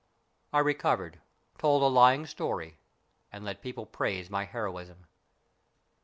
I recovered, told a lying story, and let people praise my heroism.